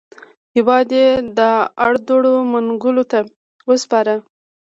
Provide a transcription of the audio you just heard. هېواد یې د اړدوړ منګولو ته وروسپاره.